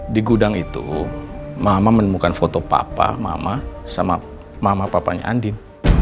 di gudang itu mama menemukan foto papa mama sama mama papanya andin